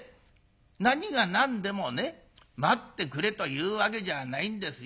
何が何でもね待ってくれというわけじゃないんですよ。